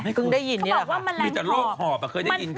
เมื่อกึ่งได้ยินนี่แหละค่ะมีแต่โรคหอบเคยได้ยินเกินเหรอ